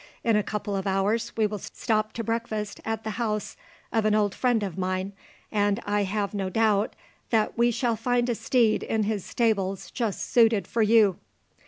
In a couple of hours we will stop to breakfast at the house of an old friend of mine, and I have no doubt that we shall find a steed in his stables just suited for you."